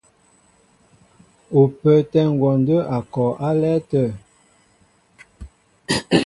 Ú pə́ə́tɛ́ ngwɔndə́ a kɔ álɛ́ɛ́ tə̂.